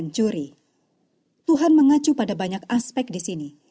yang jelas memang tidak merampok bank atau mengambil sesuatu yang bukan milik anda